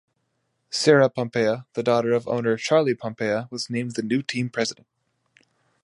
Sarah Pompea, the daughter of owner Charlie Pompea, was named the new team president.